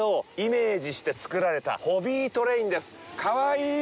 かわいい！